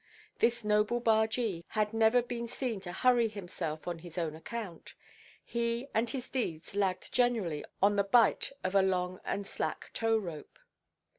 This noble bargee had never been seen to hurry himself on his own account. He and his deeds lagged generally on the bight of a long and slack tow–rope.